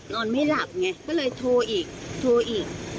นอนไม่หลับไงก็เลยโทรอีกโทรอีก